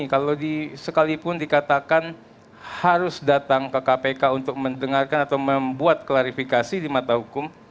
kalau sekalipun dikatakan harus datang ke kpk untuk mendengarkan atau membuat klarifikasi di mata hukum